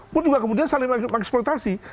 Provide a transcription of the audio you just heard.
pun juga kemudian saling eksploitasi